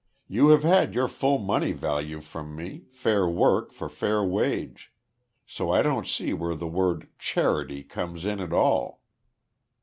You have had your full money value from me, fair work for fair wage. So I don't see where the word `charity' comes in at all."